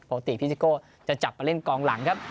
ปกติพี่ซิโก้จะจับมาเล่นกองหลังครับ